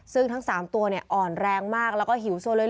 ซึ่งทั้ง๓ตัวอ่อนแรงมากแล้วก็หิวโซเลน